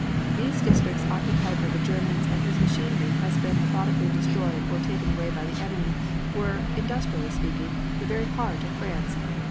These districts occupied by the Germans and whose machinery has been methodically destroyed or taken away by the enemy, were, industrially speaking, the very heart of France.